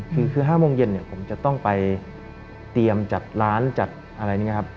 คือ๕โมงเย็นเนี่ยผมจะต้องไปเตรียมจัดร้านจัดอะไรอย่างนี้ครับ